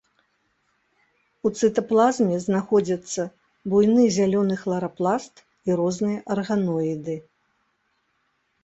У цытаплазме знаходзяцца буйны зялёны хларапласт і розныя арганоіды.